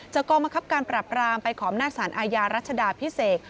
กองบังคับการปรับรามไปขอบหน้าสารอาญารัชดาพิเศษ